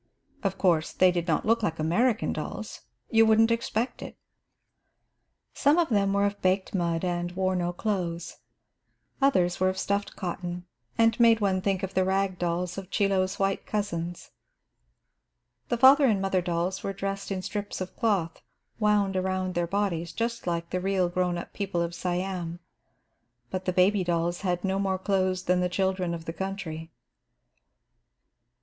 Of course they did not look like American dolls; you wouldn't expect it. Some of them were of baked mud and wore no clothes. Others were of stuffed cotton and made one think of the rag dolls of Chie Lo's white cousins. The father and mother dolls were dressed in strips of cloth wound around their bodies, just like the real grown up people of Siam, but the baby dolls had no more clothes than the children of the country.